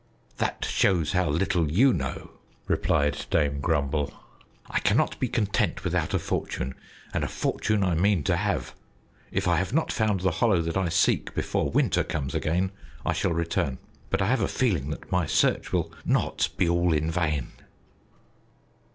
"That shows how little you know!" replied Dame Grumble. "I cannot be content without a fortune, and a fortune I mean to have. If I have not found the hollow that I seek before winter comes again, I shall return. But I have a feeling that my search will not be all in vain."